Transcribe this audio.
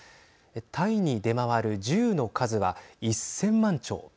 タイに出回る銃の数は１０００万丁。